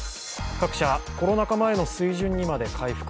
各社、コロナ禍前の水準にまで回復。